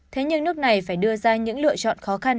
thế nhưng nước này phải đưa ra những lựa chọn khó khăn